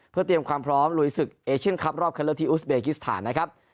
เพื่อเตรียมความพร้อมลุยศึกเอเชียนคลับรอบคันเลือกที่อุสเบกิสถานนะครับ